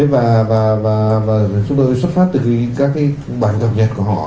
và chúng tôi xuất phát từ các cái bản cập nhật của họ